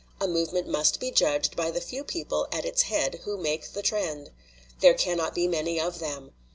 A movement must be judged by the few people at its head who make the trend. There cannot be many of them.